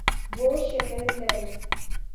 وہ شہر ہے